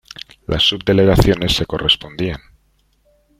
Las subdelegaciones se correspondían.